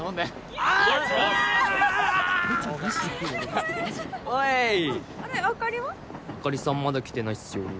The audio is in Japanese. あかりさんまだ来てないっすよ